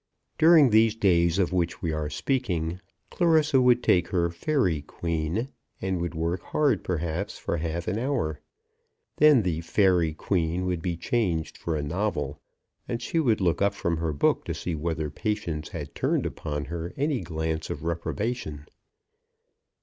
During these days of which we are speaking Clarissa would take her "Faery Queen," and would work hard perhaps for half an hour. Then the "Faery Queen" would be changed for a novel, and she would look up from her book to see whether Patience had turned upon her any glance of reprobation.